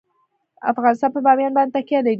افغانستان په بامیان باندې تکیه لري.